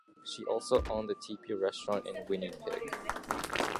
She also owned the Teepee Restaurant in Winnipeg.